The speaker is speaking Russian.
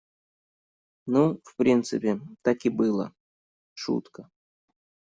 Ну, в принципе, так и было — шутка.